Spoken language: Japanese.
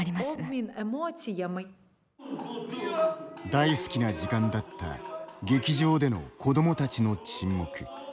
大好きな時間だった劇場での子どもたちの沈黙。